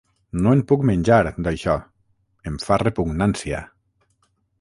No en puc menjar, d'això: em fa repugnància.